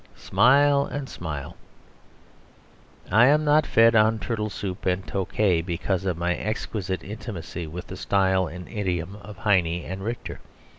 Smile and Smile I am not fed on turtle soup and Tokay because of my exquisite intimacy with the style and idiom of Heine and Richter.